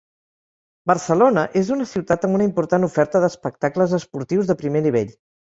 Barcelona és una ciutat amb una important oferta d'espectacles esportius de primer nivell.